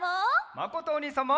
まことおにいさんも。